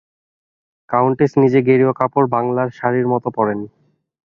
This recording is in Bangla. কাউণ্টেস নিজে গেরুয়া কাপড় বাঙলার শাড়ীর মত পরেন।